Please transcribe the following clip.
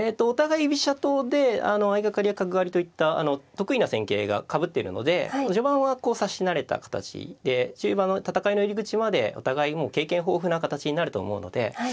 お互い居飛車党で相掛かりや角換わりといった得意な戦型がかぶっているので序盤はこう指し慣れた形で中盤の戦いの入り口までお互いもう経験豊富な形になると思うので。